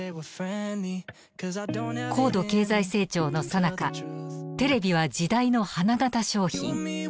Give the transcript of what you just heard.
高度経済成長のさなかテレビは時代の花形商品。